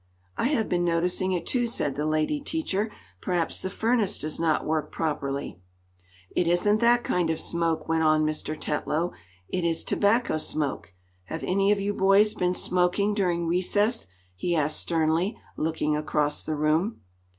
"I have been noticing it, too," said the lady teacher. "Perhaps the furnace does not work properly." "It isn't that kind of smoke," went on Mr. Tetlow. "It is tobacco smoke. Have any of you boys been smoking during recess?" he asked sternly, looking across the room.